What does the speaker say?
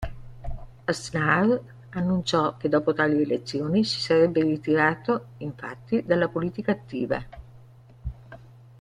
Aznar annunciò che dopo tali elezioni si sarebbe ritirato infatti dalla politica attiva.